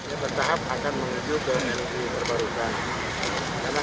ini bertahap akan mengejutkan energi terbarukan